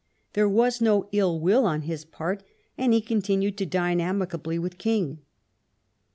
There was no ill will on his part, and he continued to dine amicably with King.